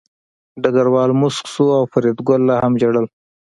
ډګروال موسک شو او فریدګل لا هم ژړل